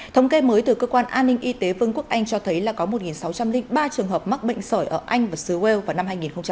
thống kê mới từ cơ quan an ninh y tế vương quốc anh cho thấy là có một sáu trăm linh ba trường hợp mắc bệnh sổi ở anh và sứu âu vào năm hai nghìn hai mươi ba